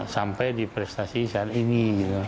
sampai di prestasi saat ini